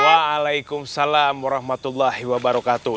waalaikumsalam warahmatullahi wabarakatuh